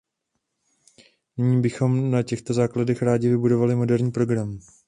Nyní bychom na těchto základech rádi vybudovali moderní program.